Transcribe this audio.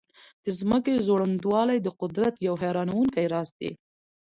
د ځمکې ځوړندوالی د قدرت یو حیرانونکی راز دی.